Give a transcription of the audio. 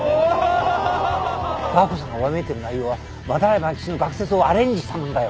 ダー子さんがわめいてる内容は斑井万吉の学説をアレンジしたものだよ。